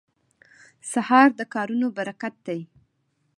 سهار د کارونو برکت دی.